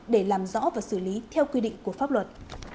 để làm rõ và xử lý theo quy định của pháp luật